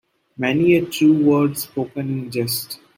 Many a true word spoken in jest.